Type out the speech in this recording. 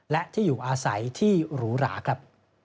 และที่อยู่อาศัยที่หรูหราครับ